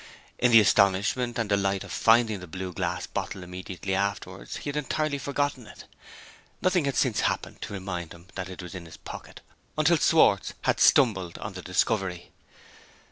In the astonishment and delight of finding the blue glass bottle immediately afterwards, he had entirely forgotten it. Nothing had since happened to remind him that it was in his pocket, until Schwartz had stumbled on the discovery.